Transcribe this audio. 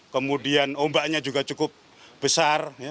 kemudian ombaknya juga cukup besar